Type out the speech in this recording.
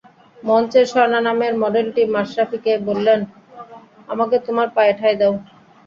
মঞ্চে স্বর্ণা নামের মডেলটি মাশরাফিকে বললেন, আমাকে তোমার পায়ে ঠাঁই দাও।